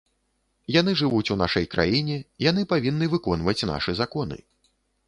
Яны жывуць у нашай краіне, яны павінны выконваць нашы законы.